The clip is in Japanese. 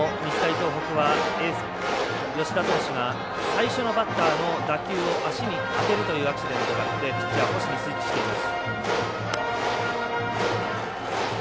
東北はエース、吉田投手が最初のバッターの打球を足に当てるというアクシデントがあってピッチャー、星にスイッチしています。